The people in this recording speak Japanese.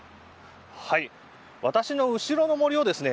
私の後ろの森をですね